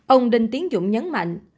ông đinh tiến dũng nhấn mạnh